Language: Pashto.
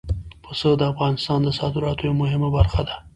پسه د افغانستان د صادراتو یوه مهمه برخه ده.